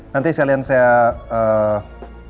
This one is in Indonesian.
nanti sekalian saya eee